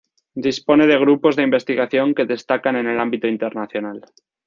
Dispone de grupos de investigación que destacan en el ámbito internacional.